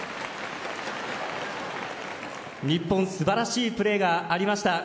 日本、素晴らしいプレーがありました。